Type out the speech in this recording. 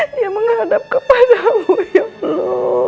dia menghadap kepadamu ya